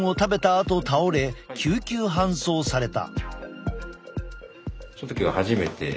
あと倒れ救急搬送された。